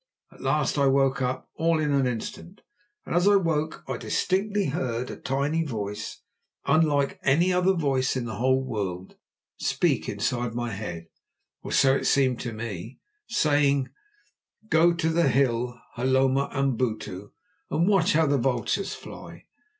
At last I woke up all in an instant, and as I woke I distinctly heard a tiny voice, unlike any other voice in the whole world, speak inside my head, or so it seemed to me, saying: "_Go to the hill Hloma Amabutu, and watch how the vultures fly.